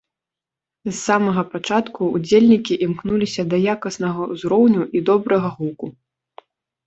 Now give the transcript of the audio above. З самага пачатку ўдзельнікі імкнуліся да якаснага ўзроўню і добрага гуку.